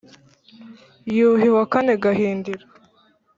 yuhi wa kane gahindiro